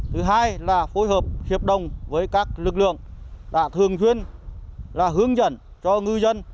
thứ hai là phối hợp hiệp đồng với các lực lượng đã thường xuyên hướng dẫn cho ngư dân